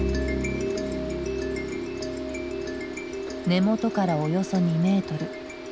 根元からおよそ２メートル。